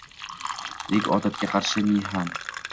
Lek odatga qarshi ne ham